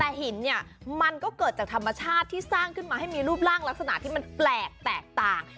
แต่หินเนี่ยมันก็เกิดจากธรรมชาติที่สร้างขึ้นมาให้มีรูปร่างลักษณะที่มันแปลกแตกต่าง